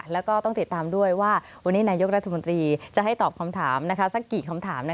แล้วก็ต้องติดตามด้วยว่าวันนี้นายกรัฐมนตรีจะให้ตอบคำถามสักกี่คำถาม